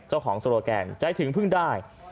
เจ้าของสโรแกงใจถึงพึ่งได้